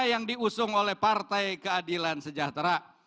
yang diusung oleh partai keadilan sejahtera